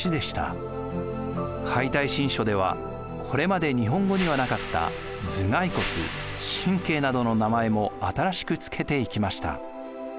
「解体新書」ではこれまで日本語にはなかった頭蓋骨神経などの名前も新しく付けていきました。